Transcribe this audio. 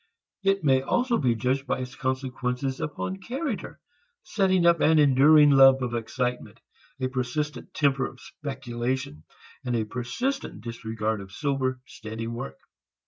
It may also be judged by its consequences upon character, setting up an enduring love of excitement, a persistent temper of speculation, and a persistent disregard of sober, steady work.